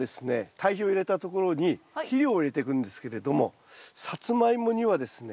堆肥を入れたところに肥料を入れていくんですけれどもサツマイモにはですね